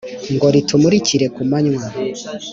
ngo ritumurikire ku manywa,